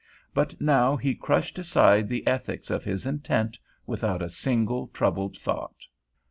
But now he crushed aside the ethics of his intent without a single troubled thought.